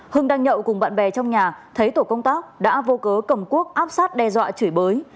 hưng đang nhậu cùng bạn bè trong nhà thấy tổ công tác đã vô cớ cầm cuốc áp sát đe dọa chửi bới